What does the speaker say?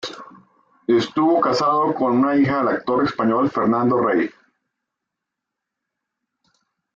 Estuvo casado con una hija del actor español Fernando Rey.